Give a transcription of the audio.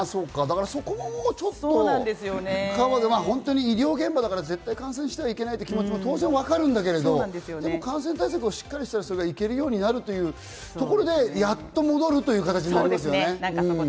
そこもちょっと医療現場だから絶対感染してはいけないという気持ちも当然わかるんだけど、感染対策をしっかりしている人が行けるようになるということで、やっと戻るという形になりますね。